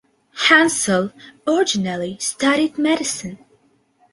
Hansell originally studied medicine.